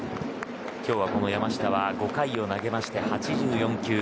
今日は山下は５回を投げて８４球。